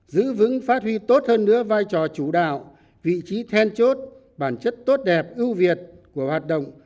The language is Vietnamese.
giữ vững phát huy tốt hơn nữa vai trò chủ đạo vị trí then chốt bản chất tốt đẹp ưu việt của hoạt động